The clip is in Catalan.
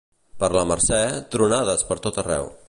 Per la Mercè, tronades pertot arreu.